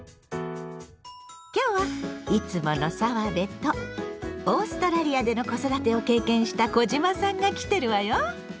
今日はいつもの澤部とオーストラリアでの子育てを経験した小島さんが来てるわよ。